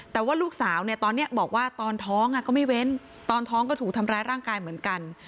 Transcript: แต่ว่าลูกสาวเนี่ยตอนนี้บอกว่าตอนท้องก็ไม่เว้นตอนท้องก็ถูกทำร้ายร่างกายเหมือนกัน